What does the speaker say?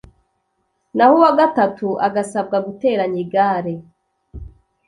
naho uwa gatatu agasabwa guteranya igare